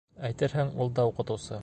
Әйтерһең, ул да уҡытыусы.